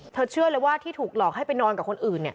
เชื่อเลยว่าที่ถูกหลอกให้ไปนอนกับคนอื่น